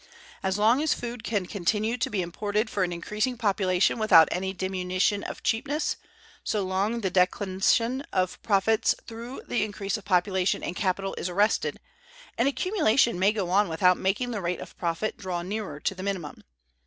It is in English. As long as food can continue to be imported for an increasing population without any diminution of cheapness, so long the declension of profits through the increase of population and capital is arrested, and accumulation may go on without making the rate of profit draw nearer to the minimum.